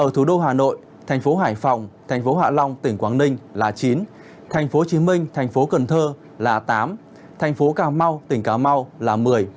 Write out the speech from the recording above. thành phố hồ chí minh thành phố cần thơ là tám thành phố cà mau tỉnh cà mau là một mươi